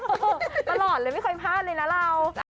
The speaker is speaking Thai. โอ๊ยมาหลอนเลยไม่ค่อยพลาดเลยนะเรา